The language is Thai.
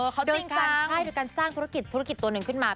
เขาติ้งกันใช่โดยการสร้างธุรกิจธุรกิจตัวหนึ่งขึ้นมา